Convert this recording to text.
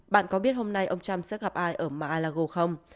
bạn có biết hôm nay ông trump sẽ gặp ai ở mar a lago không